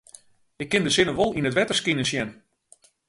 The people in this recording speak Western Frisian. Ik kin de sinne wol yn it wetter skinen sjen.